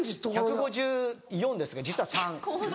１５４ですが実は１５３。